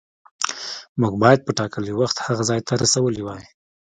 موږ باید په ټاکلي وخت هغه ځای ته رسولي وای.